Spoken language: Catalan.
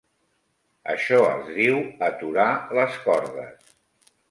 Això es diu "aturar" les cordes.